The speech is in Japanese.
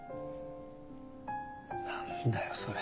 何だよそれ。